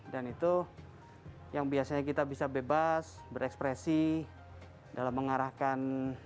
itu yang biasanya kita bisa bebas berekspresi dalam mengarahkan